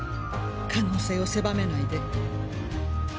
可能性を狭めないで。